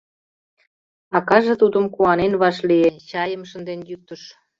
Акаже тудым куанен вашлие, чайым шынден йӱктыш.